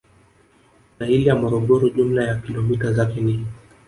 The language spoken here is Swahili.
Na ile ya Morogoro jumla ya kilomita zake ni